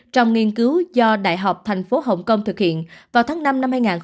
trong nghiên cứu do đại học thành phố hong kong thực hiện vào tháng năm năm hai nghìn hai mươi một